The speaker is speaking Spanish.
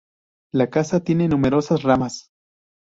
La casa tiene numerosas ramas.